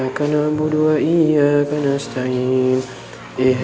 oke terima kasih